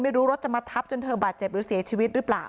รถจะมาทับจนเธอบาดเจ็บหรือเสียชีวิตหรือเปล่า